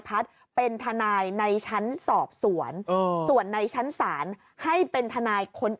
พัฒน์เป็นทนายในชั้นสอบสวนส่วนในชั้นศาลให้เป็นทนายคน